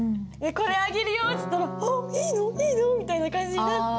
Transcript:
「これあげるよ」っつったら「あっいいの？いいの？」みたいな感じになって。